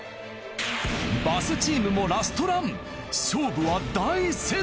バスチームもラストラン。